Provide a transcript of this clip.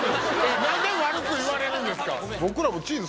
なんで悪く言われるんですか！